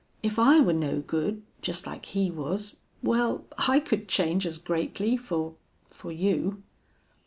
If I were no good just like he was well, I could change as greatly for for you."